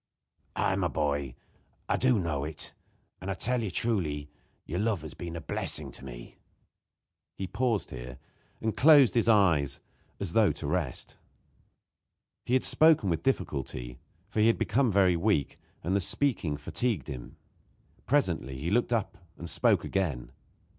"Aye, my boy, I do know it; and I tell you truly, your love has been a blessing to me." He paused here, and closed his eyes as though to rest. He had spoken with difficulty, for he had become very weak, and the speaking fatigued him. Presently he looked up and spoke again.